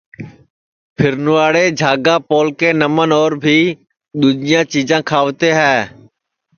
پھیرنواڑے جھاگا پولکے، نمن اور بھی دؔوجیاں چیجاں کھاوتے ہے